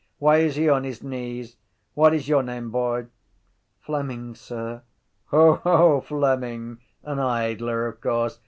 Why is he on his knees? What is your name, boy? —Fleming, sir. —Hoho, Fleming! An idler of course.